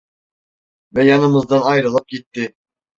Ve yanımızdan ayrılıp gitti.